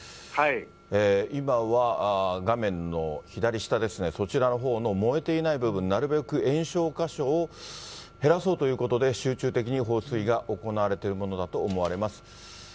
今は画面の左下ですね、そちらのほうの燃えていない部分、なるべく延焼箇所を減らそうということで、集中的に放水が行われているものだと思われます。